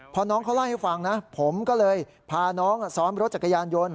พอน้องเขาเล่าให้ฟังนะผมก็เลยพาน้องซ้อนรถจักรยานยนต์